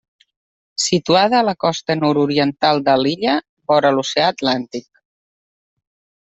Situada a la costa nord-oriental de l'illa, vora l'Oceà Atlàntic.